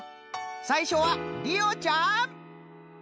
さいしょは莉央ちゃん。